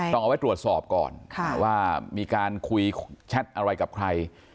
เอาไว้ตรวจสอบก่อนว่ามีการคุยแชทอะไรกับใคร